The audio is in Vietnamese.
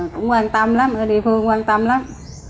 cũng quan tâm lắm ở địa phương quan tâm lắm